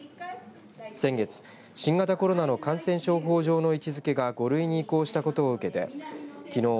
先月新型コロナの感染症法上の位置づけが５類に移行したことを受けてきのう